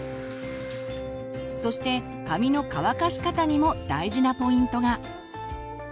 そして髪の乾かし方にも大事なポイントが。